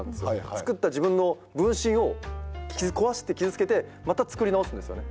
作った自分の分身を壊して傷つけてまた作り直すんですよね。